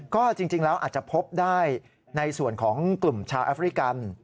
ก็จริงแล้วอาจจะพบได้ในส่วนของกลุ่มชาวแอฟริกัน